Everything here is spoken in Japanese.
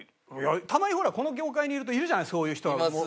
いやたまにほらこの業界にいるといるじゃないそういう人が。